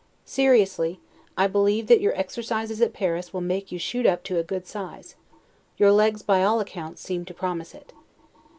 Seriously, I believe that your exercises at Paris will make you shoot up to a good size; your legs, by all accounts, seem to promise it.